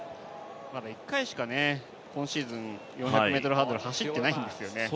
まだ１回しか今シーズン４００ｍハードル、走ってないんですよね。